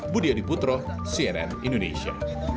budi adiputro cnn indonesia